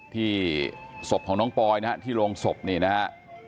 ที่ศพของน้องปอยนะฮะที่โรงศพนี่นะฮะ